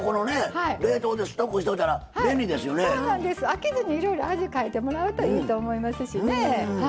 飽きずにいろいろ味変えてもらうといいと思いますしね。